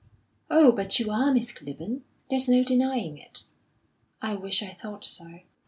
"Oh, but you are, Miss Clibborn. There's no denying it." "I wish I thought so."